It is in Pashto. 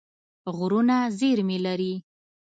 غرونه زېرمې لري.